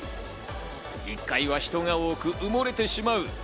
１階は人が多く、埋もれてしまう。